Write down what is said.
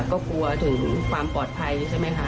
ก็กลัวถึงความปลอดภัยใช่ไหมคะ